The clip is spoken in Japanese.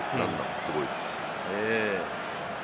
すごいですよね。